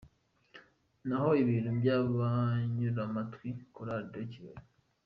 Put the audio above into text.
Naho ibintu by’Abanyuramatwi, Choral de Kigali .